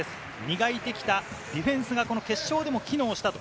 磨いてきたディフェンスがこの決勝でも機能したと。